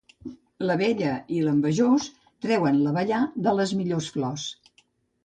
L'abella i l'envejós treuen l'abellar de les millors flors.